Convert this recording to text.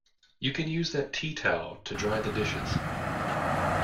You can use that tea towel to dry the dishes